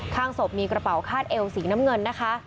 ข้างศพมีกระเป๋าคาดเอวสีน้ำเงินนะคะ